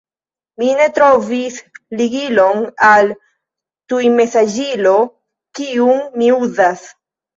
Mi ne trovis ligilon al tujmesaĝilo, kiun mi uzas.